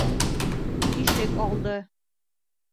Ишек алды.